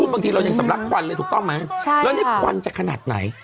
บางทีเรายังสำรับขวัญเลยถูกต้องมั้ยใช่ค่ะแล้วที่ขวัญจะขนาดไหน